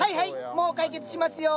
もう解決しますよ。